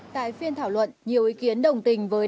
tại phiên thảo luận nhiều ý kiến đồng tình với